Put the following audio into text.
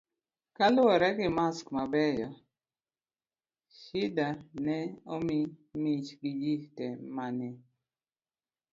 kaluwore gi maks mabeyo, Shida ne omi mich gi ji te mane